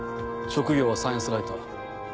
職業はサイエンスライター。